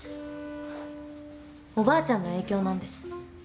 おばあちゃんの影響なんです。